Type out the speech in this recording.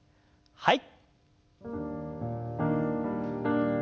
はい。